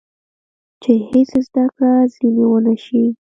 چې هېڅ زده کړه ځینې ونه شي.